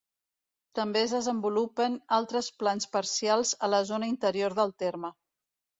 També es desenvolupen altres plans parcials a la zona interior del terme.